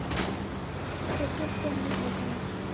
Kusekekua midi rapo.